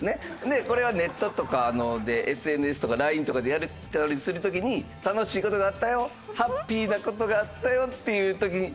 でこれはネットとかＳＮＳとかＬＩＮＥとかでやり取りする時に楽しい事があったよハッピーな事があったよっていう時に。